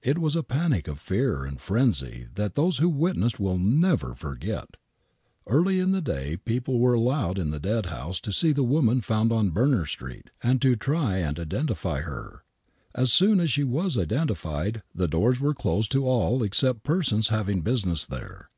It was a panic of fear and frenzy that those who witnessed will never forget. Early in the day people were allowed in the dead house to see 'the woman found on Berner Street and to try and identify her. As soon as she was identified, the doors were closed to all except persons having business there.